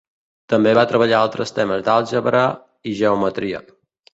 També va treballar altres temes d'àlgebra i geometria.